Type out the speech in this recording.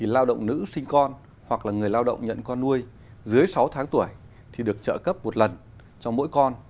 lao động nữ sinh con hoặc người lao động nhận con nuôi dưới sáu tháng tuổi thì được trợ cấp một lần cho mỗi con